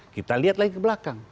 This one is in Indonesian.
kita lihat lagi ke belakang